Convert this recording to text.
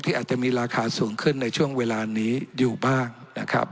อาจจะมีราคาสูงขึ้นในช่วงเวลานี้อยู่บ้างนะครับ